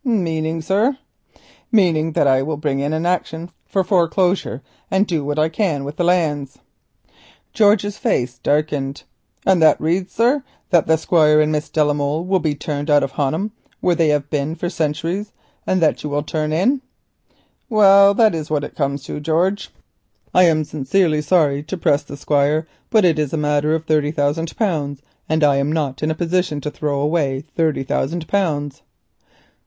"Meaning, sir——" "Meaning that I shall bring an action for foreclosure and do what I can with the lands." George's face darkened. "And that reads, sir, that the Squire and Miss Ida will be turned out of Honham, where they and theirs hev been for centuries, and that you will turn in?" "Well, that is what it comes to, George. I am sincerely sorry to press the Squire, but it's a matter of thirty thousand pounds, and I am not in a position to throw away thirty thousand pounds."